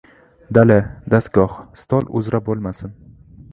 Dala, dastgoh, stol uzra bo‘lmasin